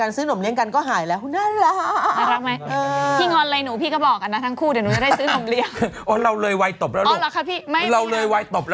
อ้าวอยู่กับเขาด้วย